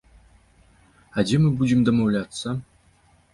А дзе мы будзем дамаўляцца?!